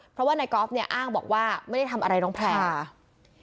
เพราะว่านายกอล์ฟเนี่ยอ้างบอกว่าไม่ได้ทำอะไรน้องแพลวค่ะ